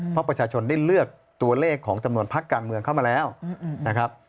เพราะประชาชนได้เลือกตัวเลขของจำนวนพักการเมืองเข้ามาแล้วนะครับ